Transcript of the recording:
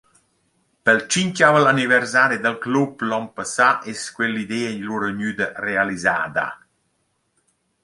Pel tschinchavel anniversari dal club l’on passà es quell’idea lura gnüda realisada.